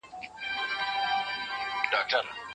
آيا ځیني شرطونه په طلاق ورکوونکي پورې اړه لري؟